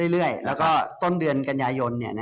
เรื่อยแล้วก็ต้นเดือนกันยายน